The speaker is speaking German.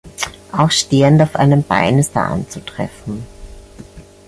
Auch stehend auf einem Bein ist er anzutreffen.